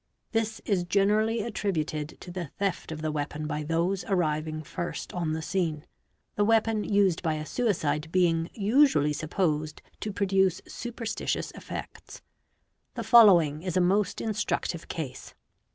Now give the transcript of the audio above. This is generally attributed to the ft of the weapon by those arriving first on the scene, the weapon sd by a suicide being usually supposed to produce superstitious effects. 'The following is a most instructive case.